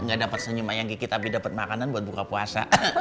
gak dapet senyum mayang kiki tapi dapet makanan buat buka puasa